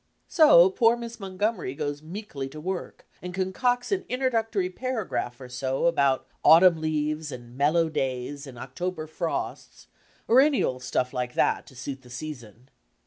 So poor Miss Montgomery goes meekly to work, and concocts an introductory paragraph or so about 'autumn leaves' and 'mellow days' and 'October frosts/ or any old stuff like that tt> suit the season.